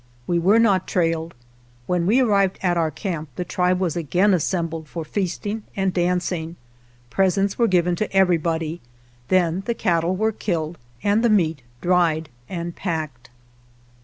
We were not trailed. When we arrived at our camp the tribe was again assembled for feasting and dancing. Presents were given to everybody; then the cattle were killed and the meat dried and packed.